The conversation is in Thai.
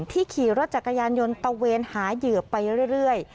ขี่รถจักรยานยนต์ตะเวนหาเหยื่อไปเรื่อย